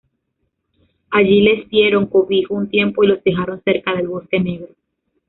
Allí les dieron cobijo un tiempo y los dejaron cerca del Bosque Negro.